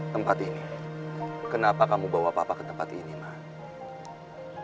tempat ini kenapa kamu bawa papa ke tempat ini ma